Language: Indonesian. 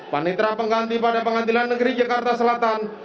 panitra pengganti pada pengadilan negeri jakarta selatan